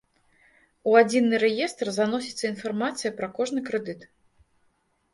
У адзіны рэестр заносіцца інфармацыя пра кожны крэдыт.